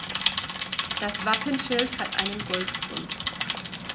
Das Wappenschild hat einen Goldgrund.